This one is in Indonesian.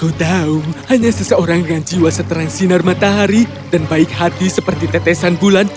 aku tahu hanya seseorang dengan jiwa seteran sinar matahari dan baik hati seperti tetesan bulan